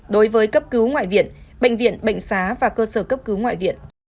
đối với cấp cứu ngoại viện bệnh viện bệnh xá và cơ sở cấp cứu ngoại viện